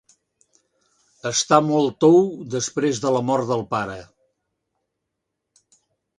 Està molt tou després de la mort del pare.